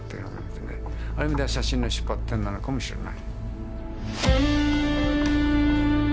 ある意味では写真の出発点なのかもしれない。